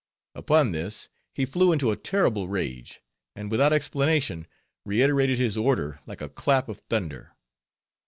Upon this, he flew into a terrible rage, and without explanation reiterated his order like a clap of thunder.